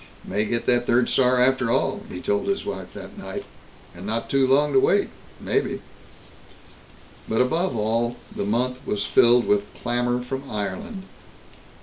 "May get that third star after all," he told his wife that night. "And not too long to wait, maybe." But, above all, the month was filled with clamor from Ireland.